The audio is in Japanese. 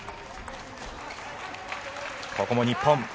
ここも日本。